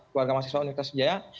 keluarga mahasiswa universitas sejaya